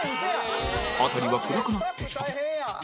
辺りは暗くなってきた